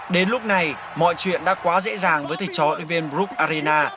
đến lúc này mọi chuyện đã quá dễ dàng với thầy trò liên viên rook arena